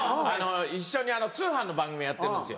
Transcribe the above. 一緒に通販の番組やってるんですよ